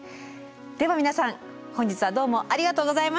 では皆さん本日はどうもありがとうございました。